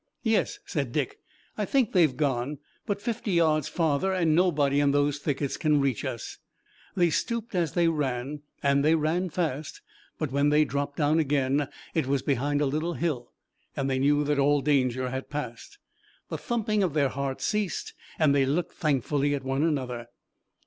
"Yes," said Dick. "I think they've gone, but fifty yards farther and nobody in those thickets can reach us." They stooped as they ran, and they ran fast, but, when they dropped down again, it was behind a little hill, and they knew that all danger had passed. The thumping of their hearts ceased, and they looked thankfully at one another.